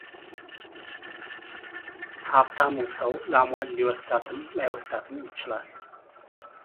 ሃብታሙ ሰው ላሟን ሊወስዳትም ላይወስዳትም ይችላል፡፡